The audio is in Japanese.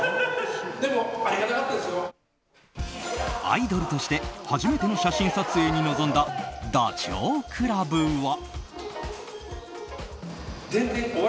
アイドルとして初めての写真撮影に臨んだダチョウ倶楽部は。